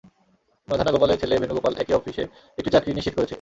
মাধানা গোপালের ছেলে ভেনুগোপাল একই অফিসে একটি চাকরি নিশ্চিত করেছে।